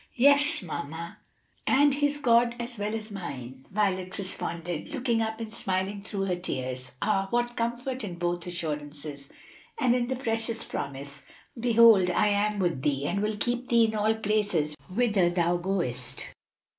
"Yes, mamma, and his God as well as mine," Violet responded, looking up and smiling through her tears. "Ah, what comfort in both assurances, and in the precious promise, 'Behold, I am with thee, and will keep thee in all places whither thou goest.'